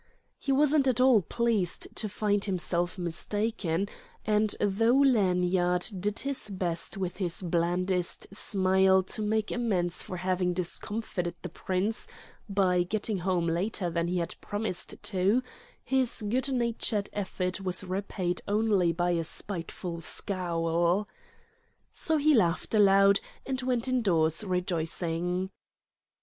He wasn't at all pleased to find himself mistaken; and though Lanyard did his best with his blandest smile to make amends for having discomfited the prince by getting home later than he had promised to, his good natured effort was repaid only by a spiteful scowl. So he laughed aloud, and went indoors rejoicing.